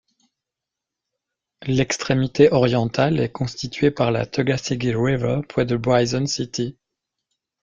L'extrémité orientale est constitué par la Tuckasegee River près de Bryson City.